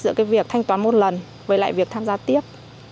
giữa cái việc thanh toán một lần với lại việc tham gia tiếp